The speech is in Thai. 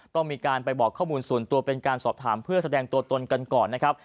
ต้องมีการไปบอกข้อมูลส่วนตัวเป็นการสอบถามเพื่อแสดงตัวตนกันก่อนนะครับ